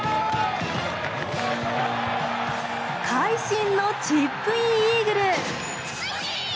会神のチップインイーグル。